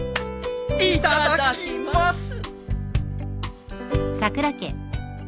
いただきます。